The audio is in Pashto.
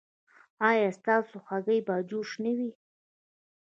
ایا ستاسو هګۍ به جوش نه وي؟